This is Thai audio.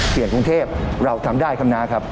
เสียงกรุงเทพฯเราทำได้คำนาคับ